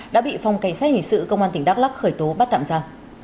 đã bị phòng cảnh sát hình sự công an tỉnh đắk lắc khởi tố bắt tạm ra